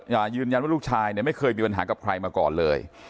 อ่ายืนยันว่าลูกชายเนี่ยไม่เคยมีปัญหากับใครมาก่อนเลย